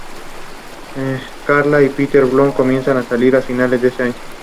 Un ingeniero británico, Claude W. Kinder, fue contratado como el ingeniero jefe del ferrocarril.